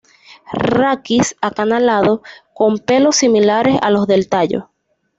Raquis acanalado, con pelos similares a los del tallo.